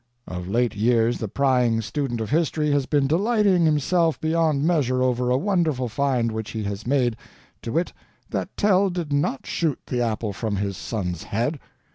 Of late years the prying student of history has been delighting himself beyond measure over a wonderful find which he has made—to wit, that Tell did not shoot the apple from his son's head.